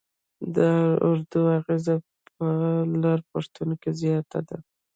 د اردو اغېز په لر پښتون کې زیات دی.